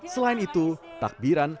selain itu takbiran